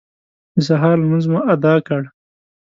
د سهار لمونځ مو اداء کړ.